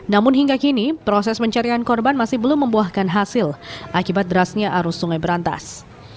namun hingga kini proses pencarian korban masih belum membuahkan hasil akibat derasnya arus sungai berantas